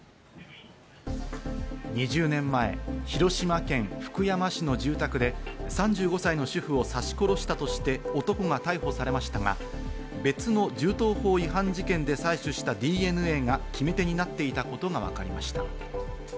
２０年前、広島県福山市の住宅で３５歳の主婦を刺し殺したとして男が逮捕されましたが、別の銃刀法違反事件で採取したＤＮＡが決め手になっていたことがわかりました。